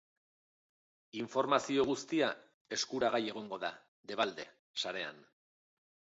Informazio guztia eskuragai egongo da, debalde, sarean.